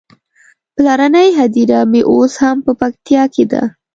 پلرنۍ هديره مې اوس هم په پکتيکا کې ده.